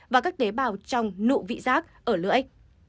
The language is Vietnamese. và các tế bào trong nụ vị giác ở lưỡi